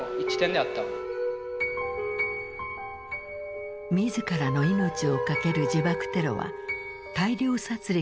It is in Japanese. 自らの命をかける自爆テロは大量殺戮を可能にした。